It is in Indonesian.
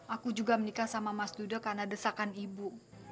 aku juga menikah sama mas duda karena desakan ibu